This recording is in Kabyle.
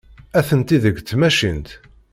Atenti deg tmacint.